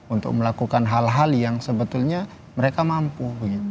untuk melakukan hal hal yang sebetulnya mereka mampu